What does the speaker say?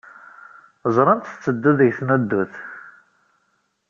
Ẓran-tt tetteddu deg tneddut.